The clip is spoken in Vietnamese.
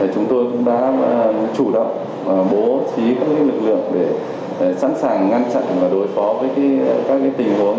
chúng tôi cũng đã chủ động bố trí các lực lượng để sẵn sàng ngăn chặn và đối phó với các tình huống